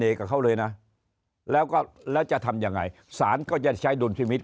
กับเขาเลยนะแล้วก็แล้วจะทำยังไงสารก็จะใช้ดุลพิมิต